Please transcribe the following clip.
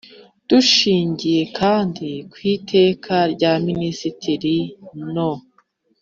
Dushingiye kandi ku Iteka rya Minisitiri no